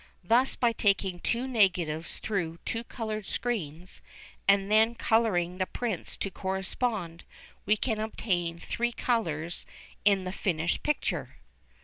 Thus by taking two negatives through two coloured screens, and then colouring the prints to correspond, we can obtain three colours in the finished picture.